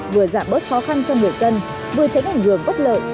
vừa giảm bớt khó khăn cho người dân vừa tránh ảnh hưởng bất lợi